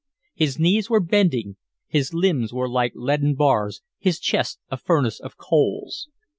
His knees were bending, his limbs were like leaden bars, his chest a furnace of coals.